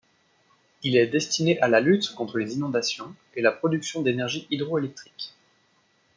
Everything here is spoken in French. Il est destiné à la lutte contre les inondations et la production d'énergie hydroélectrique.